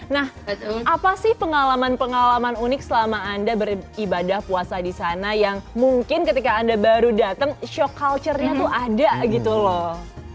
nah apa sih pengalaman pengalaman unik selama anda beribadah puasa di sana yang mungkin ketika anda baru datang shock culture nya tuh ada gitu loh